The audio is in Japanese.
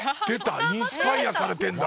インスパイアされてんだ。